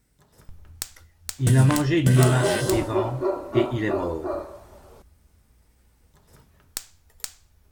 Il a mangé une limace vivante et il est mort.